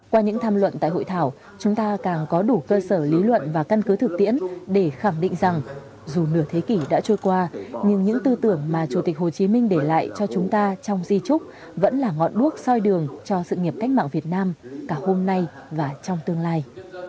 qua những tham luận tại hội thảo chúng ta càng có đủ cơ sở lý luận và căn cứ thực tiễn để khẳng định rằng dù nửa thế kỷ đã trôi qua nhưng những tư tưởng mà chủ tịch hồ chí minh để lại cho chúng ta trong di trúc vẫn là ngọn đuốc soi đường cho sự nghiệp cách mạng việt nam cả hôm nay và trong tương lai